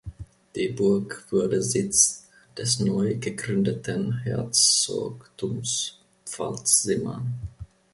Die Burg wurde Sitz des neu gegründeten Herzogtums Pfalz-Simmern.